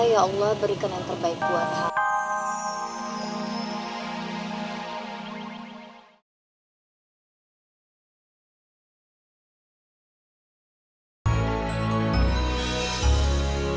ya allah berikan yang terbaik buat kami